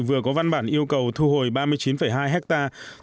vừa có văn bản yêu cầu thu hồi ba mươi chín hai hectare